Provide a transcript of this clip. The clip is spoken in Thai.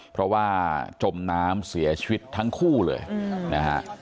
เพราะว่าจมน้ำเสียชีวิตทั้งคู่เลยนะฮะ